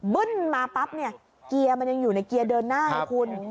ึ้นมาปั๊บเนี่ยเกียร์มันยังอยู่ในเกียร์เดินหน้าไงคุณ